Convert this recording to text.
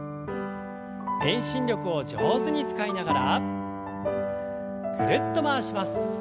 遠心力を上手に使いながらぐるっと回します。